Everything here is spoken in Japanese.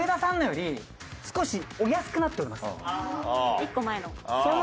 １個前の。